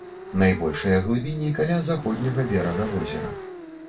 Найбольшыя глыбіні каля заходняга берага возера.